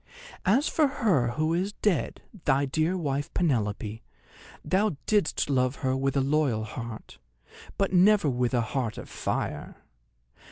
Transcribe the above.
As for her who is dead, thy dear wife Penelope, thou didst love her with a loyal heart, but never with a heart of fire.